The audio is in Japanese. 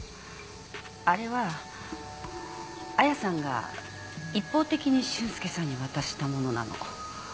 あれは亜矢さんが一方的に俊介さんに渡したものなの。